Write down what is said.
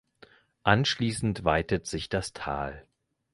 Anschließend weitet sich das Tal.